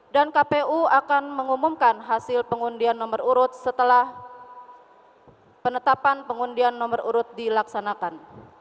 dan kpu akan mengumumkan hasil pengundian nomor urut setelah penetapan pengundian nomor urut dilaksanakan